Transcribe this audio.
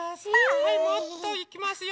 はいもっといきますよ。